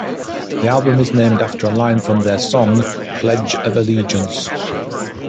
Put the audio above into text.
The album is named after a line from their song "Pledge of Allegiance"